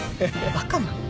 バカなの？